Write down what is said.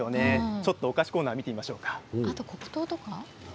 ちょっとお菓子コーナー見てみましょうか。